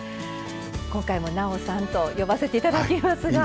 今回もなおさんと呼ばせていただきますが。